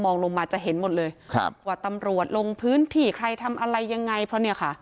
ลงมาจะเห็นหมดเลยครับว่าตำรวจลงพื้นที่ใครทำอะไรยังไงเพราะเนี่ยค่ะ